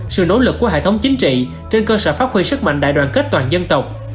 sự nỗ lực của hệ thống chính trị trên cơ sở phát huy sức mạnh đại đoàn kết toàn dân tộc